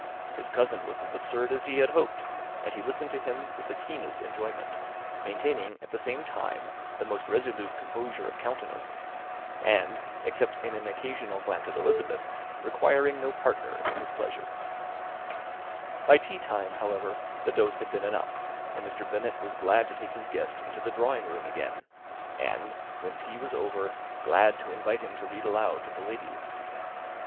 His cousin was as absurd as he had hoped; and he listened to him with the keenest enjoyment, maintaining at the same time the most resolute composure of countenance, and, except in an occasional glance at Elizabeth, requiring no partner in his pleasure. By tea time, however, the dose had been enough, and Mr. Bennet was glad to take his guest into the drawing room again, and when tea was over, glad to invite him [Illustration: "Protested that he never read novels" H.T Feb 94 ] to read aloud to the ladies.